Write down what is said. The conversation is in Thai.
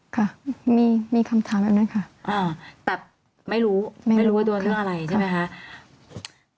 ค่ะมีคำถามแบบนั้นค่ะแต่ไม่รู้ไม่รู้ว่าโดนเรื่องอะไรใช่ไหมคะ